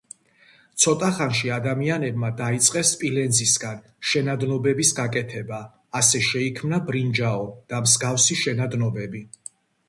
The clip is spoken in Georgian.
ცოტახანში ადამიანებმა დაიწყეს სპილენძისგან შენადნობების გაკეთება, ასე შეიქმნა ბრინჯაო და მსგავსი შენადნობები.